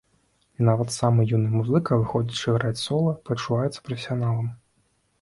І нават самы юны музыка, выходзячы граць сола, пачуваецца прафесіяналам!